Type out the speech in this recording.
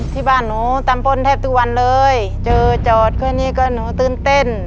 ที่บ้านหนูตำบลแทบทุกวันเลยเจอจอดแค่นี้ก็หนูตื่นเต้น